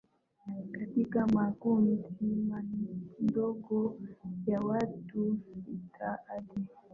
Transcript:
katika makundi madogo ya watu sita hadi